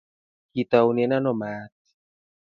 Kitaunen ano maat?